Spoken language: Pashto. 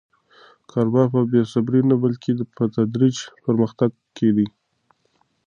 کاروبار په بې صبري نه، بلکې په تدریجي پرمختګ کې دی.